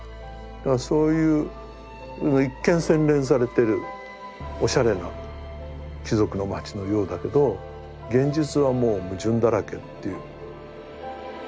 だからそういう一見洗練されてるおしゃれな貴族の街のようだけど現実はもう矛盾だらけという。